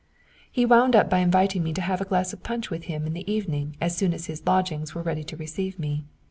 He wound up by inviting me to have a glass of punch with him in the evening as soon as his lodgings were ready to receive me.